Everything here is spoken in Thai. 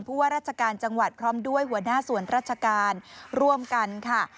ว่าราชการจังหวัดพร้อมด้วยหัวหน้าส่วนราชการร่วมกันค่ะ